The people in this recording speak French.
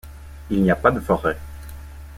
Il n'y a pas de forêts.